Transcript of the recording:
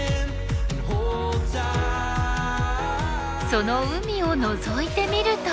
その海をのぞいてみると。